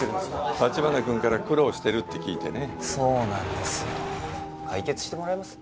立花君から苦労してると聞いてねそうなんですよ